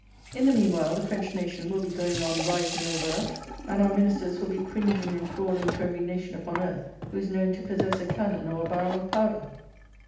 In the meanwhile, the French nation will be going on rising over us; and our Ministers will be cringing and crawling to every nation upon earth who is known to possess a cannon or a barrel of powder.